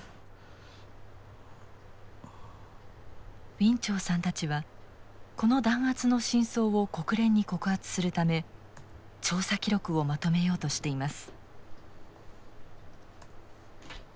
ウィン・チョウさんたちはこの弾圧の真相を国連に告発するため調査記録をまとめようとしています。